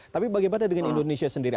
tapi bagaimana dengan indonesia sendiri